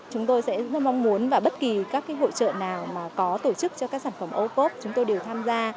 chúng tôi sẽ rất mong muốn và bất kỳ các hội trợ nào mà có tổ chức cho các sản phẩm ô cốp chúng tôi đều tham gia